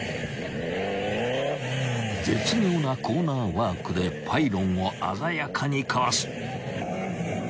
［絶妙なコーナーワークでパイロンを鮮やかにかわす］